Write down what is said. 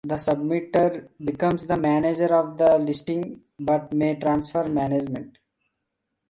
The submitter becomes the manager of the listing but may transfer management.